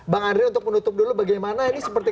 bang andri untuk menutup dulu bagaimana ini seperti